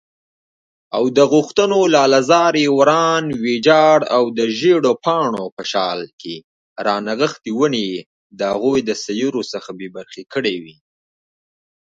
The United States Tennis Association is the national body that organizes this event.